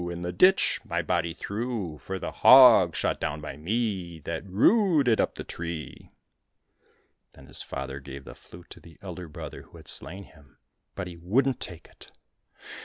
In the ditch my body threw. For the hog shot down by me. That rooted up the tree I " Then the father gave the flute to the elder brother who had slain him, but he wouldn't take it.